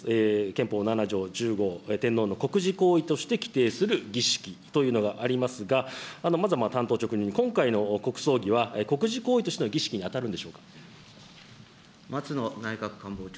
憲法７条１０号、天皇の国事行為として規定する儀式というのがありますが、まず単刀直入に、今回の国葬儀は、国事行為としての儀式に当たるんでしょうか。